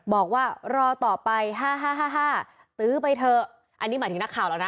บอกว่ารอต่อไป๕๕๕ตื้อไปเถอะอันนี้หมายถึงนักข่าวแล้วนะ